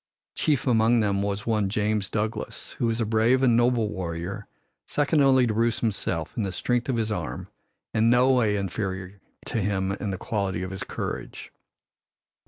Chief among them was one James Douglas, who was a brave and noble warrior, second only to Bruce himself in the strength of his arm and no way inferior to him in the quality of his courage.